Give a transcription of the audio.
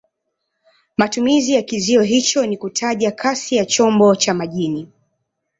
Matumizi ya kizio hicho ni kutaja kasi ya chombo cha majini.